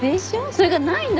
それがないんだよ。